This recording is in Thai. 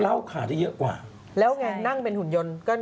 เล่าขาได้เยอะกว่าแล้วไงนั่งเป็นหุ่นยนต์ก็